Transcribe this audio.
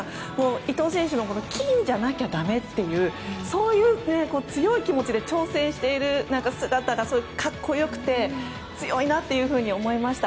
伊藤選手の金じゃなきゃだめというそういう強い気持ちで挑戦している姿が格好良くて強いなというふうに思いました。